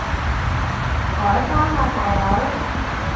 改返喇大佬